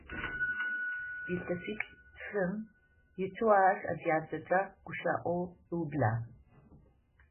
Илъэсиплӏ-тфым итэу ащ адыгабзэкӏэ гущыӏэу ыублагъ.